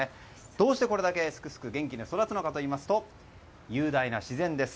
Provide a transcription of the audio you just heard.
どうしてこれだけすくすく元気に育つのかといいますと雄大な自然です。